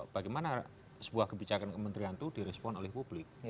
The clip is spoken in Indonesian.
bagaimana sebuah kebijakan kementerian itu di respon oleh publik